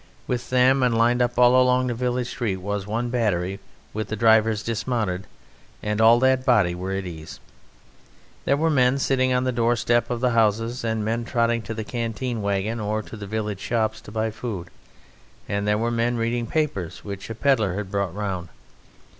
With them, and lined up all along the village street, was one battery, with the drivers dismounted, and all that body were at ease. There were men sitting on the doorsteps of the houses and men trotting to the canteen wagon or to the village shops to buy food; and there were men reading papers which a pedlar had brought round.